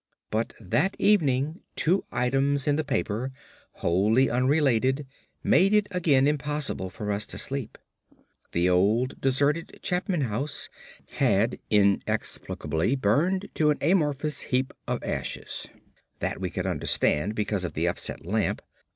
But that evening two items in the paper, wholly unrelated, made it again impossible for us to sleep. The old deserted Chapman house had inexplicably burned to an amorphous heap of ashes; that we could understand because of the upset lamp.